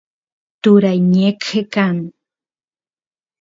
turay ñeqe kan